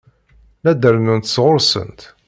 La d-rennunt sɣur-sent.